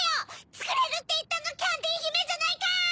つくれるっていったのキャンディひめじゃないか！